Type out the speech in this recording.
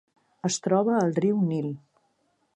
Es troba al riu Nil.